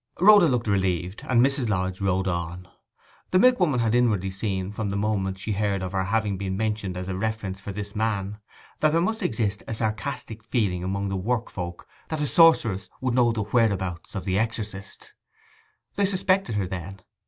Rhoda looked relieved, and Mrs. Lodge rode on. The milkwoman had inwardly seen, from the moment she heard of her having been mentioned as a reference for this man, that there must exist a sarcastic feeling among the work folk that a sorceress would know the whereabouts of the exorcist. They suspected her, then.